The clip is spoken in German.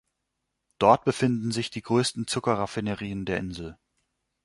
Dort befinden sich die größten Zucker-Raffinerien der Insel.